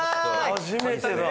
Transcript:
初めてだ！